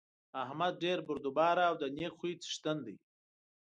احمد ډېر بردباره او د نېک خوی څېښتن دی.